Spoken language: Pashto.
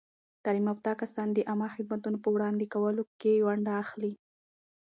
تعلیم یافته کسان د عامه خدمتونو په وړاندې کولو کې ونډه اخلي.